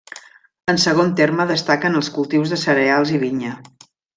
En segon terme destaquen els cultius de cereals i vinya.